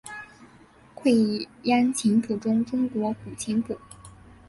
愧庵琴谱中国古琴谱。